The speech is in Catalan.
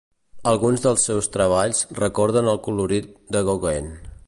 Alguns dels seus treballs recorden el colorit de Gauguin.